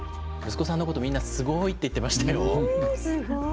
息子さんのことみんな「すごい」って言ってましたよ。